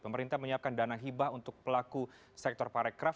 pemerintah menyiapkan dana hibah untuk pelaku sektor parekraf